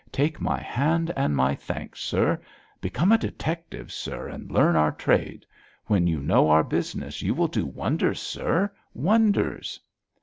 Take my hand and my thanks, sir. Become a detective, sir, and learn our trade. When you know our business you will do wonders, sir, wonders!'